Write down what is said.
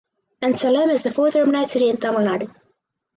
And Salem is the fourth urbanized city in Tamil Nadu.